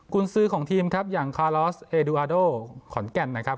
คุณซื้อของทีมครับอย่างคาลอสเอดูอาโดขอนแก่นนะครับ